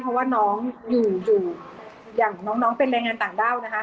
เพราะว่าน้องอยู่อย่างน้องเป็นแรงงานต่างด้าวนะคะ